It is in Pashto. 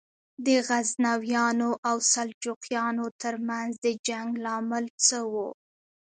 د غزنویانو او سلجوقیانو تر منځ د جنګ لامل څه و؟